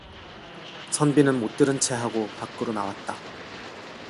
선비는 못 들은 체하고 밖으로 나왔다.